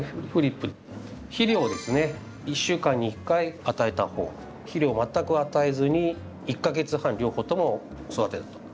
肥料をですね１週間に１回与えた方肥料を全く与えずに１か月半両方とも育てたと。